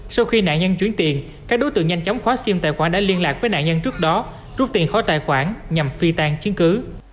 sau khi nạn nhân chuyển tiền các đối tượng nhanh chóng khóa sim tài khoản đã liên lạc với nạn nhân trước đó rút tiền khỏi tài khoản nhằm phi tan chứng cứ